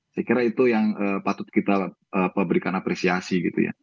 saya kira itu yang patut kita berikan apresiasi gitu ya